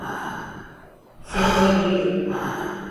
Seni öldürürüm!